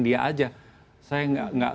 dia aja saya nggak